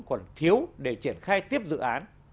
còn thiếu để triển khai tiếp dự án